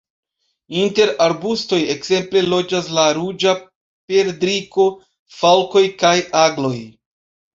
Inter arbustoj ekzemple loĝas la Ruĝa perdriko, falkoj kaj agloj.